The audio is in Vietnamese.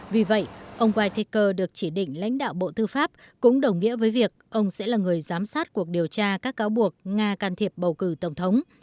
vì vậy ông whiteker được chỉ định lãnh đạo bộ tư pháp cũng đồng nghĩa với việc ông sẽ là người giám sát cuộc điều tra các cáo buộc nga can thiệp bầu cử tổng thống